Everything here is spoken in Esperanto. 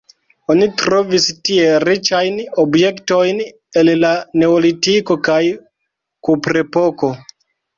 Oni trovis tie riĉajn objektojn el la neolitiko kaj kuprepoko.